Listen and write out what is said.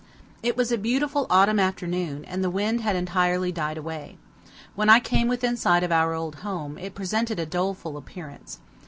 It was a beautiful autumn afternoon, and the wind had entirely died away. When I came within sight of our old home, it presented a doleful appearance.